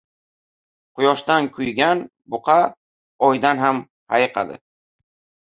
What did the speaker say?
• Quyoshdan kuygan buqa oydan ham hayiqadi.